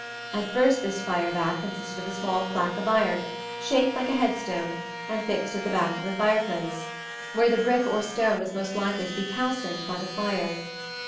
At first this fire back consisted of a small plaque of iron, shaped like a headstone, and fixed at the back of the fireplace, where the brick or stone was most likely to be calcined by the fire.